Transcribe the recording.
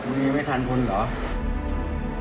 ยังไม่ทันคุณเหรอ